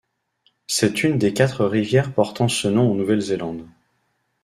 C’est une des quatre rivières portant ce nom en Nouvelle-Zélande.